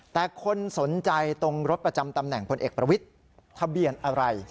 แต่คนสนใจตรงรถประจำตำแหน่งพลเอกประวิทย์ทะเบียนอะไร